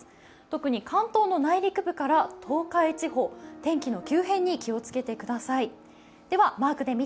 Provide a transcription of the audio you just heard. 特に関東の内陸部から東海地方、天気の急変に気をつけてください。